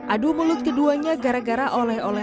adu mulut keduanya gara gara oleh oleh